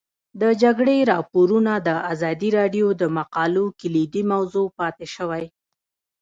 د جګړې راپورونه د ازادي راډیو د مقالو کلیدي موضوع پاتې شوی.